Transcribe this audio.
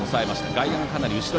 外野はかなり後ろ。